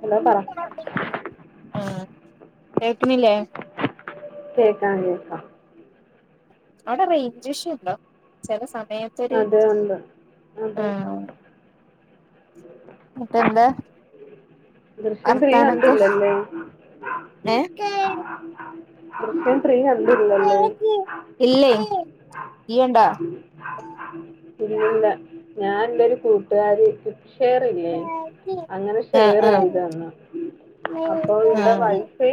Hello പറ ആ കേൾക്കണില്ലേ കേക്കാം കേക്കാം അവിടെ റേഞ്ച് ഇഷ്യുണ്ടോ ചില സമയത്തൊരു അതെ ഉണ്ട് ആ അതെ എന്നിട്ടെന്താ ദൃശ്യം ത്രീ വർത്താനൊക്കെ കണ്ടില്ലല്ലേ ഏഹ് [inaudible] ദൃശ്യം ത്രീ കണ്ടില്ലല്ലേ ഇല്ലേ ഇയ്യ് കണ്ടോ ഇല്ലല്ല ഞാ നിൻ്റൊരു കൂട്ടുകാരി ഷെയറില്ലേ അങ്ങനെ ആഹ് ഷെയർ ആഹ് ചെയ്ത് തന്നു അപ്പൊ ഇവിടെ ആഹ് വൈഫൈ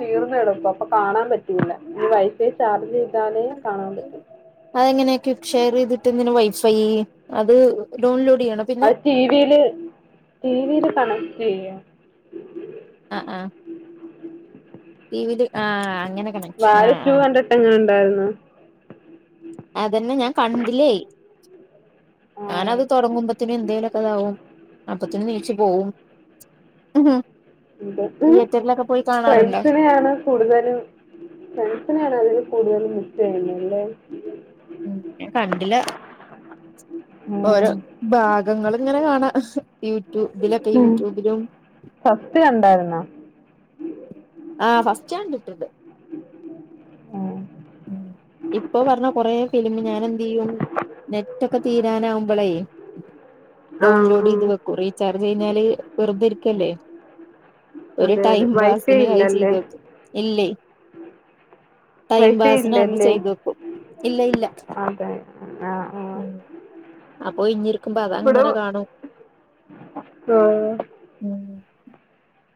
തീർന്ന്കെടുക്കുവാ അപ്പൊ കാണാൻ പറ്റൂല്ല ഇനി വൈഫൈ ചാർജ് ചെയ്താലേ കാണാൻ പറ്റൂ അതെങ്ങനെയക്കെ ഷെയർ ചെയ്തിട്ട് ഇങ്ങനെ വൈഫൈ അത് ലോൺ ലോഡ് ചെയ്യണം അത് ടി വിയില് ടിവിയില് കണക്ട് ചെയ്യാം. ആഹ് ആഹ് - ടിവീല് ആഹ് അങ്ങനെ കണക്ഷൻ വാഴ ആഹ് ടു ആഹ് കണ്ടിട്ട് എങ്ങനെ ഉണ്ടായിരുന്നു അതന്നെ ഞാൻ കണ്ടില്ലേ ആ ഞാനത് തൊടങ്ങുമ്പത്തനും എന്തെങ്കലുമക്കെ ഇതാവും അപ്പതന്നെ എന്നീച്ചു പോവും തിയേറ്ററിലൊക്കെ പോയി [unintelligible] കാണാറുണ്ടോ ഫ്രണ്ട്സിനെയാണ് കൂടുതലും ഫ്രണ്ട്സിനെയാണ് അതില് കൂടുതലും മിസ് ചെയ്യുന്നതല്ലേ ഞാൻ കണ്ടിലാ- [inaudible] ഓരോ ഭാഗങ്ങളിങ്ങനെ കാണാം യൂട്യൂബ് ഇതിലൊക്കെ യൂട്യൂബിലും ഫസ്റ്റ് കണ്ടാരുന്നോ ആഹ് ഫസറ്റ് ഫസ്റ്റ് കണ്ടിട്ട് ഉണ്ട്‌- ഇപ്പൊ പറഞ്ഞ കൊറെ ഫീലിമ് ഞാൻ എന്ത് ചെയ്യും നെറ്റൊക്കെ തീരാനാവുമ്പളേ ആ ഡൗൺലോഡ് ആ. ചെയ്ത് വെക്കും റീചാർജ് കഴഞ്ഞാല് വെറുതെരിക്കല്ലേ ഒരു അതെ അതെ ടൈം വൈഫൈ പാസിന് അത് ഇല്ലല്ലേ ചെയ്തക്കും ഇല്ലേ ടൈം വൈഫൈ പാസിന് അത് ഇല്ലല്ലേ ചെയ്തു വെക്കും ഇല്ല ഇല്ല അതെ ആഹ് അപ്പൊ ഇഞ്ഞിരിക്കുമ്പോ അതങ്ങനെ കാണും ആഹ് ഉം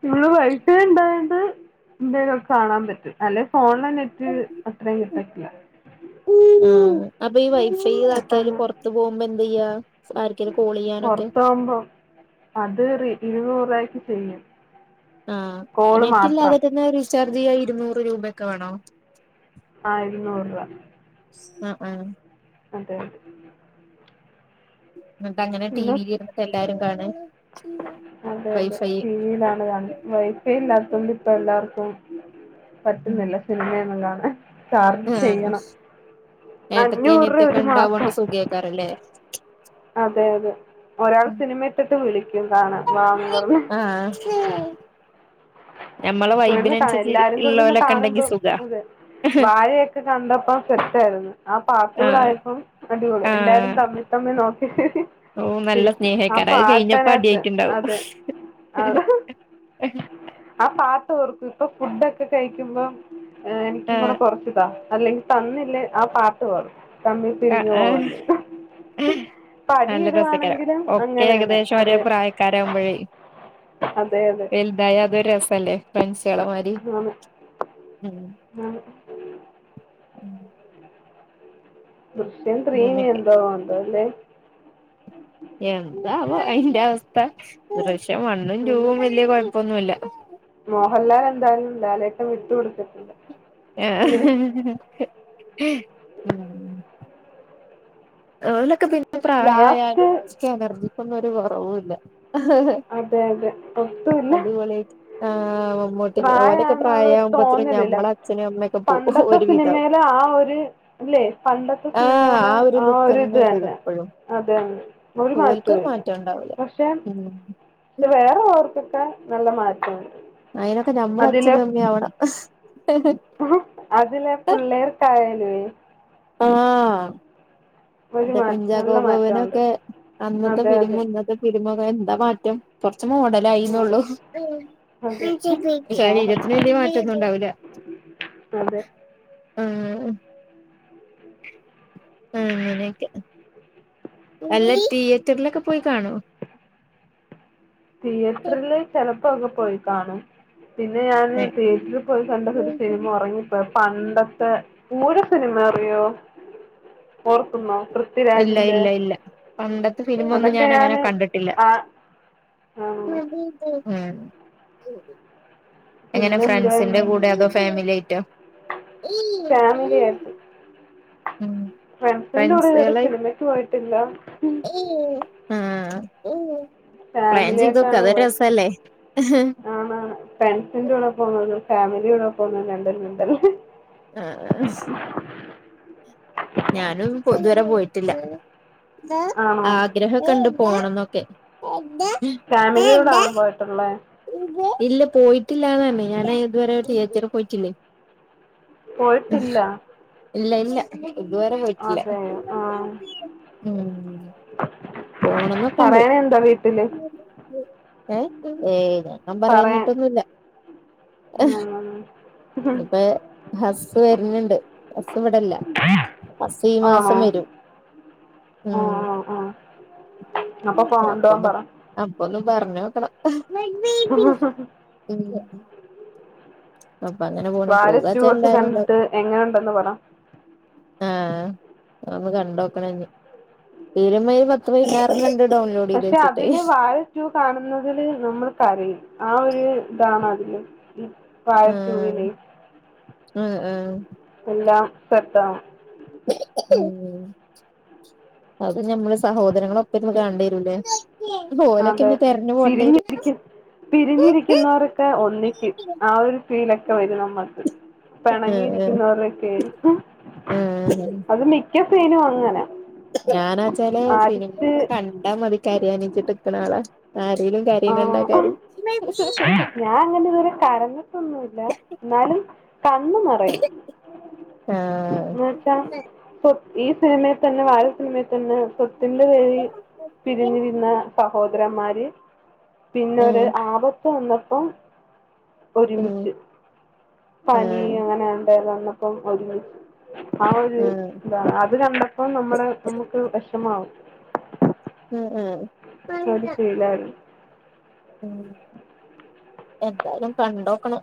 നിങ്ങള് വൈഫൈ ഉണ്ടായോണ്ട് എന്തെലുക്കെ കാണാൻ പറ്റും അല്ലെ ഫോണിലെ നെറ്റ് - നെറ്റ് അത്രേം കിട്ടത്തില്ല- അപ്പൊ ഈ വൈഫൈ ഇതാക്കിയാല് പെട്ടെന്ന് പൊറത്ത് പോകുമ്പോ എന്ത് ചെയ്യാ ആർക്കേലും കോൾ ചെയ്യാനൊക്കെ പൊറത്തോവുമ്പം അത് റീ ഇരുന്നൂറപക്ക് ചെയ്യും- ആഹ് കോള് നെറ്റ് മാത്രം ഇല്ലാതന്നെ റീചാർജ് ചെയ്യാ ഇരുന്നൂറ് രൂപയൊക്കെ വേണോ ആഹ് ഇരുന്നൂറ് രൂപ ആഹ് ആഹ് - അതെ അതെ എന്നിട്ട് അങ്ങനെ പിന്നെ ടിവിൽ ഇരുന്നിട്ട് എല്ലാരും കാണ അതെ അതെ ടി വി യിലാണ് കാണാ വൈ ഫൈഇല്ലാത്തൊണ്ടിപ്പം എല്ലാർക്കും ഉം പറ്റുന്നില്ല സിനിമയന്നും കാണാൻ- ചാർജ് ആഹ് ചെയ്യണം അഞ്ഞൂറ് രുപ ഒരു മാസം ക്കാറല്ലേ- അതെ അതെ ഒരാള് സിനിമട്ടിട്ട് വിളിക്കും കാണാൻ വാന്ന്പറഞ് ആഹ് ഞമ്മളെ ഇരുന്ന് കാ വൈബിനനുസരിച്ച് എല്ലാരും ഇ കൂടി ഇരുന്ന് ള്ളോലൊക്കെ ഉണ്ടെങ്കി കാണുമ്പം സുഖാ അതെ വാഴയൊക്കെ കണ്ടപ്പോ സെറ്റരുന്നു ആ ആഹ് പാട്ടുടായപ്പം അടിപൊളി എല്ലാരും തമ്മിൽ- തമ്മിൽ നോക്കി‌ - ഓഹ് നല്ല സ്നേഹായിക്കാണും അത് കയ് ഞ്ഞപ്പോ അടിയായിട്ടുണ്ടാവും അതെ ആഹ് പാട്ട് ഓർക്കു ഇപ്പൊ ഫുഡൊക്കെ കഴിക്കുമ്പോ എനിക്കുംകൂടെ ആഹ് കുറച്ച്താ അല്ലെങ്കി തന്നില്ലേ ആ പാട്ട് പാടും തമ്മിൽ ആഹ് പിരിഞ്ഞു പോവാല്ലേ- ആഹ് ഇപ്പ നല്ല രസക്കാരം അടിയിടുവാണെങ്കിലും ഒക്കെ അങ്ങനെതന്നെ ഏകദേശം ഒരേ അതെ- പ്രായക്കാരാകുമ്പോഴേ അതെ അതെ ഇണ്ടായ അതൊ രസല്ലേ ഫ്രണ്ട്സാള മാരി. ആന്ന് ഉം ദൃശ്യം ത്രീ ഇനി അങ്ങനൊക്കെ എന്തോ ആവും ന്തോ അല്ലേ- എന്താവോ അതിന്റെ അവസ്ഥ ദൃശ്യം വണ്ണും അതെ റ്റുവും വലിയ കൊ യ പ്പൊന്നുല്ല മോഹൻലാൽ എന്തായാലും ലാലേട്ട വിട്ടു കൊടു എ ഓലൊക്കെ പിന്നെ പ്രായാ ലാസ്റ്റ് യാലുംഓല്ക്ക് എനർജിക്കൊന്നരു കൊറവുല്ല അതെ അതെ ഒട്ടുമില്ല അടിപൊളിആ മമ്മുട്ടി ഓലൊ ക്കെ പ്രായാന്നുള്ള ഒരു പ്രായാവുമ്പോത്തിന് തോന്നലില്ല ഞമ്മള് അച്ഛനും അമ്മയൊക്കെ പോവും പണ്ടത്തെ ഒരു വിധവും സിനിമയിലെ ആ ഒരു ഇല്ലേ പണ്ടത്തെ ആ ആ സിനിമയിലെ ഒരു ലുക്ക്. ഇത് [unintelligible] തന്നെ എപ്പോഴും അതെ ഒരു ഓൽ മാറ്റവും ക്കൊരു ഇല്ല മാറ്റം ഉണ്ടാവൂല പക്ഷെ ഉ വേറെ ഉളോര്ക്ക്ഒകെ നല മാറ്റാണ് അയിനൊക്കെ നമ്മള് അച്ഛനും അമ്മയുംആവണം അതിലെ പിള്ളേർക്കായാലേ ആഹ് ഒരു അന്റെ മാ നല്ല മാറ്റമുണ്ട് കുഞ്ചാക്കോബവനൊക്കെ അന്നത്തെ അതെ ഫിലിമും അതെ ഇന്നത്തെ ഫിലിംഎന്താ മാറ്റം കൊറച്ച് അതെ മോഡലായിന്നുള്ളു. അതെ മോഹം ശരീരത്തിന് വലിയ മാറ്റൊന്നും ഉണ്ടാവൂല്ല അതെ ഉം ഉം അങ്ങനെയക്കെ അല്ല തിയേറ്ററിലൊക്കെ പോയ് കാണോ തിയേറ്ററില് ചെലപ്പോക്കെ പോയി കാണും. പിന്നെ ഞാന് തിയേറ്ററിൽ പോയി കണ്ട ഒരു സിനിമ ഉറങ്ങി. ഇപ്പ പണ്ടത്തെ പൂരം സിനിമ അറിയോ ഓർക്കുന്നോ? ഇല്ല പൃഥ്വിരാജിന്റെ ഇല്ല ഇല്ല പണ്ടത്തെ ഫിലിമൊന്നും അതൊക്കെ ഞാൻ അങ്ങനെ ഞാന് കണ്ടിട്ടില്ല. ആ ആ ആഹ് എങ്ങനെ പിന്നെന്താ ഫ്രണ്ട്സിന്റെ കൂടെ അതോ ഫാമിലി ആയിട്ടോ ഫാമിലി ആയിട്ട് ഉം ഫ്രണ്ട്സിന്റെ കൂടെ ഒരു ഫ്രണ്ട്സുകളായി സിനിമക്ക് പോയിട്ടില്ല ആ പ്ലാൻ ഫാമിലി ചെയ്തോക്ക് അതൊരു രസല്ലേ. ആ ഫ്രണ്ട്സിന്റെകൂടെ പോണ തും ഫാമിലിയോടെ പോണതും രണ്ടുംര ണ്ടല്ലേ [inaudible] ഞാനന്നും ഇതുവരെ പോയിട്ടില്ല. ആണോ ആഗ്രഹം കണ്ട് പോണം ന്നൊക്കെ. ഫാമിലിയോടാണ് പോയിട്ടുള്ളേ? ഇല്ല പോയിട്ടില്ലാന്നാ ണ് ഞാൻ ഇതുവരെ തിയേറ്റർ പോയിട്ടില്ലേ. പോയിട്ടില്ല ഇല്ല ഇല്ല ഇതുവരെ പോയിട്ടില്ല അതെയോ ആ ഉ പോണംന്നൊക്കണ്ട്. പറയാനെന്താ വീട്ടില് ഏഹ് ഏയ് ഞാൻ പറയാൻ പറയന്നിട്ടൊന്നുവില്ല. ഉം ഇപ്പൊ ഹസ് വരുന്നുണ്ട് ഹസ് ഇവിടല്ല ഹസ് ഈ മാസം വരും. ആഹ് ആഹ് ആഹ് അപ്പൊന്ന് അപ്പൊന്നു പറഞ്ഞ് നോക്കണം. [unintelligible] ഇല അപ്പൊ അങ്ങനെ പോണം വാഴ ടു പോകാച്ച ഒക്കെ എല്ലാരും ഉണ്ടാവും. കണ്ടിട്ട് എങ്ങനെയുണ്ടെന്ന് പറ ആഹ് അതൊന്ന് കണ്ടോക്കണം ഇനി തിരുമ്പോ ഒരു പത്ത് പതിനറ് കണ്ട പക്ഷെ അതില് വാഴ് ടു കാണുന്നതില് നമ്മൾ കരയും ആ ഒരു ഇതാണ് അതില്. വാഴ ആഹ് ടൂവില് ആഹ് ആഹ് എല്ലാം സെറ്റാണ്. ഉം അത് ഞമ്മള് സഹോദരങ്ങളൊപ്പ ഇരുന്ന് കണെണ്ടിരൂല്ലേ അതെ പിരിഞ്ഞിരിക്കി പിരിഞ്ഞിരിക്കുന്നൊരൊക്കെ ഒന്നിക്കും ആ ഒരു ഫീലൊക്കെ വരും നമ്മക്ക് ആഹ് ആഹ് പിണങ്ങിയിരിക്കുന്നരൊക്കെ ആഹ് അത് മിക്ക സീനും അങ്ങന ഞാനാച്ചാല് സിനിമയൊക്കെ കണ്ടാ മതി കാരയനിചിട്ട് ക്കണാളാ ആരെലും ആ കരയാണ കണ്ട കരയും ന്നാലും കണ്ണ് നിറയും ആഹ് എന്നെച്ച സ്വ ഈ സിനിമയിൽ തന്നെ വാഴ സിനിമയിൽ തന്നെ സ്വ ത്തിന്റെ പേരിൽ ഉം പിരിഞ്ഞിരുന്ന സഹോദരൻമാര് പിന്നൊരു ആപത്ത് വന്നപ്പം ഉം ഒരുമിച്ചു പനി ആഹ് അങ്ങനെയാണ്ട വന്നപ്പം ഒരുമിച്ച് ആ ഒരു ആഹ് ഇതാണ് അത് കണ്ടപ്പോ നമ്മടെ നമുക്ക് വിഷമാവും ആഹ് ആഹ് ആ ഒരു ഫീലാണ് ഉം എന്തായലും കണ്ടോക്കണം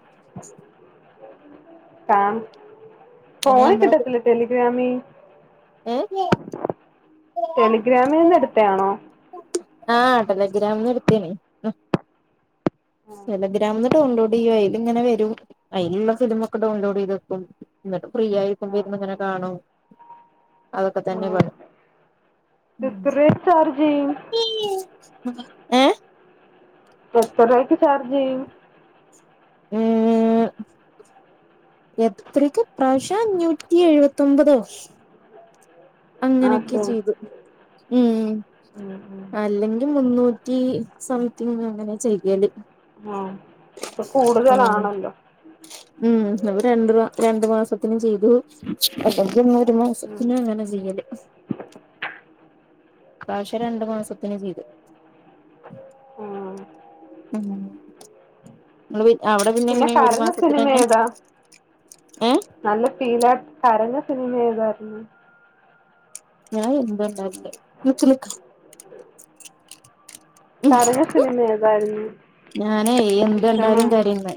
കാണ് അങ്ങനെ ഫോണിൽ നമ്മള് കിട്ടത്തിലെ ടെലിഗ്രമി ഏഹ് ടെലിഗ്രാമിന്ന് എടുത്തയാണോ ആഹ് ടെലിഗ്രാമിന് എടുത്തയേനി ടെലെഗ്രാമിന് ഡൗൺലോഡ് ചെയ്യുവ ആയില്ഇങ്ങനെ വരും അതിലുള്ള സിനിമ ഒക്കെ ഡൗൺലോഡ് ചെയ്തെക്കും എന്നിട്ട് ഫ്രീ ആയിരിക്കുമ്പ ഇരുന്ന് ഇങ്ങനെ കാണും അതൊക്കെ തന്നെ പണി ഉം ചാർജെയ്യും ഏഹ് എത്ര രൂപയ്ക്ക് ചാർജ് ചെയ്യും ഉം എത്രക്ക് പ്രാവശ്യം അഞ്ഞൂറ്റി എഴുപത്തിയൊമ്പതോ ആ അങ്ങനെയൊക്കെ ചെയ്തു ഉം ഉം, ഉം. അല്ലെങ്കിൽ മുന്നൂ റ്റി സംതിങ് അങ്ങനെ ചെയ്യല് ആഹ് ഇപ്പൊ ഉം കൂടുതലാണല്ലോ ഉം അപ്പോ രണ്ട് രണ്ടു മാസത്തിനു ചെയ്തു അപ്പോ പിന്നെ ഒരു മാസ ഉം, ത്തിന് അങ്ങനെ ചെയ്യല് കാശ് രണ്ട് മാസത്തിന് ചെയ്ത് ആഹ് ഉം ഇങ്ങള് പി അവടെ പിന്നെ പിന്നെങ്ങനെ ഒരു കരഞ്ഞ സിനിമ മാസത്തിനന്നെ ഏതാ ഏഹ് നല്ല ഫീലായി കരഞ്ഞ സിനിമ ആയതരണേ ഞായെന്തണ്ടാ നിക്ക് നിക്ക് കരഞ്ഞ സിനിമ ഏതായിരുന്നു ഞാനേ വിഷമ എന്ത്കണ്ടാലും കരയുന്ന്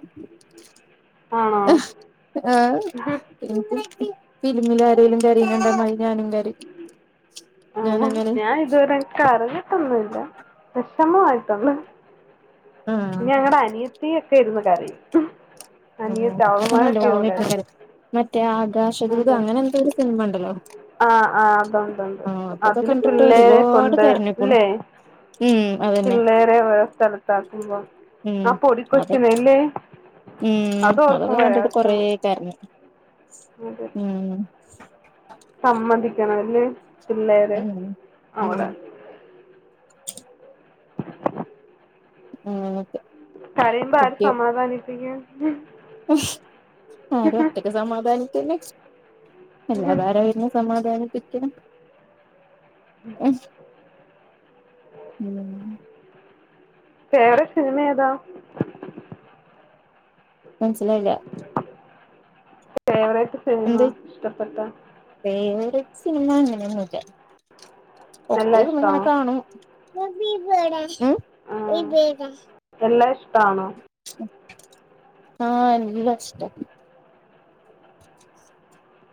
ആണോ ഹ് ഏഹ് ഫിലിമിലാരേലും കരയുന്ന കണ്ടമയി ഞാനും കരയും [inaudible] ആഹ് ഞാനങ്ങനെ ഞായിതുവരേം കരഞ്ഞിട്ടൊന്നുല്ല വെഷമായിട്ടൊണ്ട് ആഹ് ഞങ്ങടെ അനിയത്തിയൊക്കെ ഇരുന്ന് കരയും അനിയത്തി അവള്മാരൊക്കെ ഇരുന്ന് കരയും മറ്റേ ആകാശദൂത് അങ്ങനെ എന്തോരു സിനിമണ്ടല്ലോ ആഹ് ആഹ് അതൊണ്ടൊണ്ട് അതില് കണ്ടിട്ട് പിള്ളേരെ ഒരുപാട് കൊണ്ട് കരഞ്ഞിക്ക്ണു ഇല്ലേ ഉം അതെ പിള്ളേരെ വേറെ സ്ഥലത്താക്കുമ്പോ ഉം ആ പൊടി അതൊ കൊച്ചിനയല്ലേ ഉം അതൊക്കെ കണ്ടിട്ട് കൊറേ കരഞ് [unintelligible] സമ്മതിക്കണം ല്ലേ പിള്ളേരെ ഉം ഉം അവടെ അങ്ങനൊക്കെ കരയുമ്പൊ ആര് സമാധാനിപ്പിക്കും ആര് ഒറ്റക്ക്‌ സമാധാനിക്കന്നെ അല്ലാതാരാ വരണ് സമാധാനിപ്പിക്കാൻ മ്മ്ഹ് മ്മ് ഫേവറേറ്റ് സിനിമ ഏതാ മനസ്സിലായില്ല ഫേവറേറ്റ് സിനിമ എന്ത് ഇഷ്ടപ്പെട്ട ഫേവറേറ്റ് സിനിമ അങ്ങനെയൊന്നുല്ല എല്ലാ ഒക്കെയിരുന്നിങ്ങനെ ഇഷ്ടമാണോ കാണും ബീബു എവടെ ആ, എല്ലാ ഇഷ്ടമാണോ [unintelligible] ആഹ് എല്ലാ ഇഷ്ട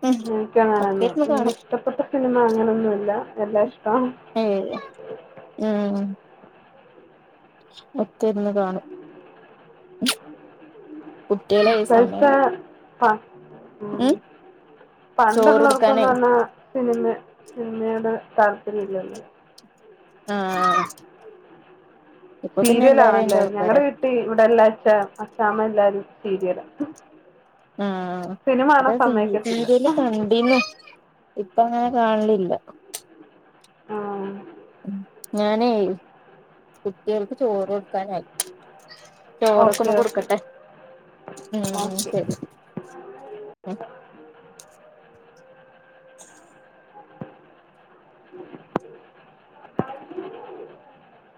ഉം ഒക്കെ എനിക്കങ്ങനെയൊന്നു ഇരുന്ന് കാണും ഇഷ്ടപ്പെട്ട സിനിമ അങ്ങനെയൊന്നുല്ല എല്ലാ ഇഷ്ടാ ഏയ് ഉം ഒക്കെയിരുന്ന് കാണും കുട്ടികളെയ് സമയം ഹാ മ്മ് ചോറ് കൊടുക്കാനേ പണ്ടുള്ളവർക്ക്‌ന്ന് പറഞ്ഞാ സിനിമ സിനിമയോട് താല്പര്യല്ലല്ലോ ആഹ് ഇപ്പൊ പിന്നെ എല്ലാരും സീരിയലാണല്ലേ അയിന്റെ ഞങ്ങടെ ആൾക്കാരാ വീട്ടി ഇവടെ എല്ലാ അച്ച അച്ച്ചാമ്മ എല്ലാരും സീരിയല ആഹ് ഇവടെ സീ സീരിയല് ക സമ്മതിക്കത്തില്ല രുന്നു ഇപ്പങ്ങനെ കാണലില്ല ആഹ് മ് ഞാനെയ് കുട്ട്യാൾക്ക് ചോറൊടുക്കാനായി ചോറൊക്കൊന്ന് ഓക്കെ ഓക്കെ കൊടുക്കട്ടെ മ്മ് മ്മ് ഓക്കെ ശരി [inaudible] [inaudible]